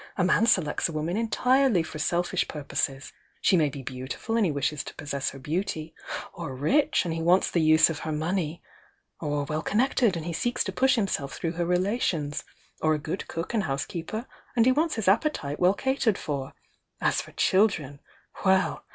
A man selects a woman entirely for selfish purposes — she may be beautiful and he wishes to possess her beauty — or rich, and ho wants the use of her money, — or well connected, and he seeks to push himself through her relations; or a good cook and housekeeper and he wants his appetite well ca tered for. As for children — well!